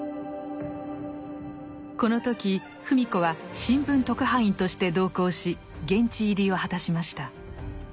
この時芙美子は新聞特派員として同行し現地入りを果たしました。